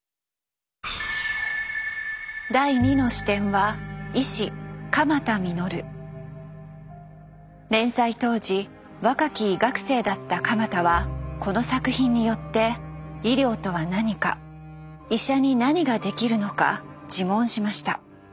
第２の視点は連載当時若き医学生だった鎌田はこの作品によって医療とは何か医者に何ができるのか自問しました。